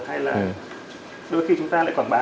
hay là đôi khi chúng ta lại quảng bá